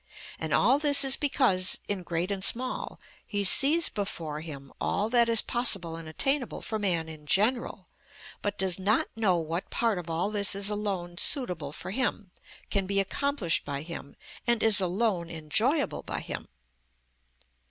And all this is because, in great and small, he sees before him all that is possible and attainable for man in general, but does not know what part of all this is alone suitable for him, can be accomplished by him, and is alone enjoyable by him.